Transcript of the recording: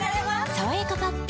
「さわやかパッド」